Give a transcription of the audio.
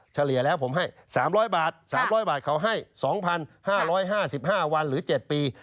เฉลี่ยแล้วผมให้๓๐๐บาท๓๐๐บาทเขาให้๒๕๕๕วันหรือ๗ปี